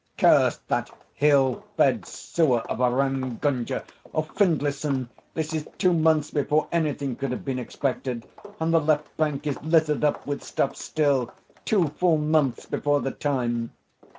"Curse that hill fed sewer of a Ramgunga! Findlayson, this is two months before anything could have been expected, and the left bank is littered up with stuff still. Two full months before the time!"